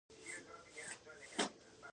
چې کوم شر وي له کوم څیز سره تړلی